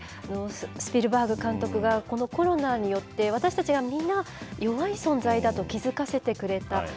スピルバーグ監督がこのコロナによって、私たちは皆、弱い存在だと気付かせてくれた。